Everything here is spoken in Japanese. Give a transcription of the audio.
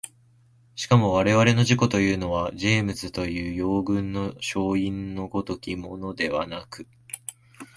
しかも我々の自己というのはジェームスのいう羊群の焼印の如きものではなく、